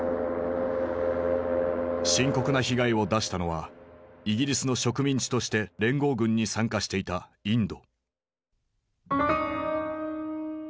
深刻な被害を出したのはイギリスの植民地として連合軍に参加していたインド。